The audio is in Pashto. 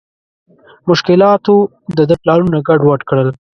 مشکلاتو د ده پلانونه ګډ وډ کړل.